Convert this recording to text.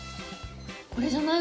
これじゃない？